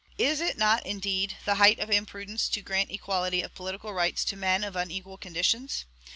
Is it not, indeed, the height of imprudence to grant equality of political rights to men of unequal conditions?